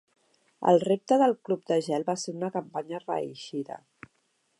El Repte del Cub de Gel va ser una campanya reeixida.